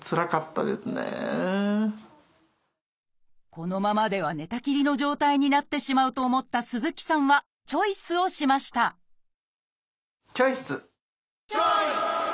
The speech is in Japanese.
このままでは寝たきりの状態になってしまうと思った鈴木さんはチョイスをしましたチョイス！